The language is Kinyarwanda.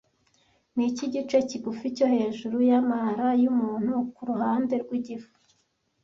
Niki gice kigufi cyo hejuru y amara yumuntu kuruhande rwigifu